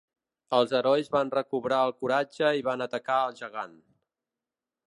Els herois van recobrar el coratge i van atacar el gegant.